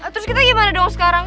terus kita gimana dong sekarang